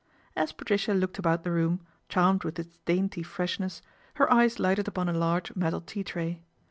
As Patricia looked about the room, charmed viih its dainty freshness, her eyes lighted upon . large metal tea tray.